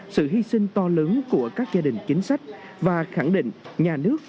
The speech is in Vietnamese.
sự hy sinh to lớn của các gia đình chính sách và khẳng định nhà nước